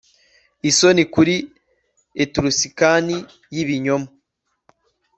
Isoni kuri Etruscan yibinyoma